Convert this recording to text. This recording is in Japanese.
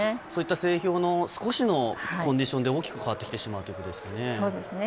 そういった整氷の少しのコンディションで大きく変わってきてしまうということですかね。